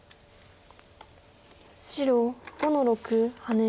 白５の六ハネ。